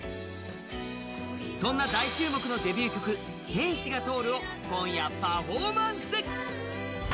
そんな大注目の話題曲「天使が通る」を今夜パフォーマンス。